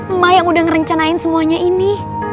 emak yang udah ngerencanain semuanya ini